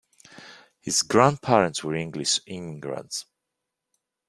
His grandparents were English immigrants.